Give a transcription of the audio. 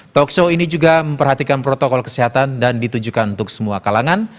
talk show ini juga memperhatikan protokol kesehatan dan ditujukan untuk semua kalangan